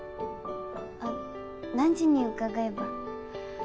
あっ何時に伺えば。